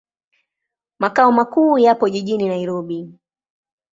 Makao makuu yapo jijini Nairobi.